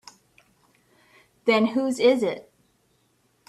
Then whose is it?